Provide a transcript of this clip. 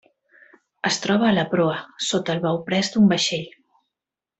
Es troba a la proa, sota el bauprès d'un vaixell.